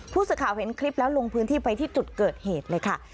ผู้สื่อข่าวเห็นคลิปแล้วลงพื้นที่ไปที่จุดเกิดเหตุเลยค่ะ